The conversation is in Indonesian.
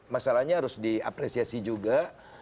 masalahnya harus diapresiasi juga